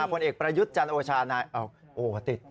ผลเอกประยุทธ์จันทร์โอชานายอ้าวติด